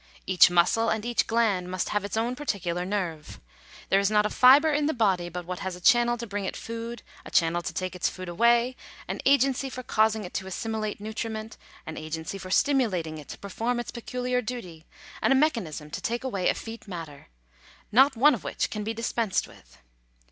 Each muscle and each gland must have its own particular nerve. There is not a fibre in the body but what has a chan nel to bring it food, a channel to take its food away, an agency for causing it to assimilate nutriment, an agency for stimulat ing it to perform its peculiar duty, and a mechanism to take away effete matter ; not one of which can be dispensed with.